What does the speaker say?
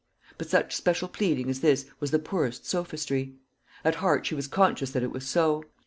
But such special pleading as this was the poorest sophistry; at heart she was conscious that it was so.